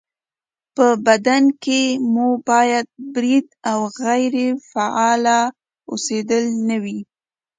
په بدن کې مو باید برید او غیرې فعاله اوسېدل نه وي